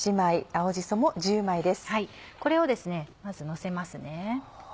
これをですねまずのせますね。